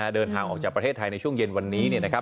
เดินทางออกจากประเทศไทยในช่วงเย็นวันนี้